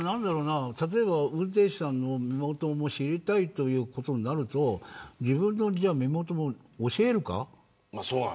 運転手さんの身元を知りたいということになると自分の身元も教えるか。